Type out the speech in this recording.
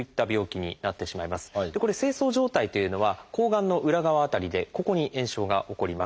これ精巣上体というのはこうがんの裏側辺りでここに炎症が起こります。